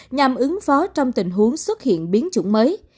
nhằm ứng phó trong tình huống xuất hiện biến chủng mới